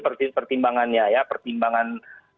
pertimbangannya ya pertimbangan